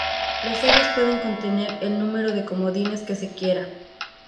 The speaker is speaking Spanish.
Las series pueden contener el número de comodines que se quiera.